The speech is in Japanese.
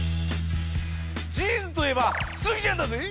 ジーンズといえばスギちゃんだぜぇ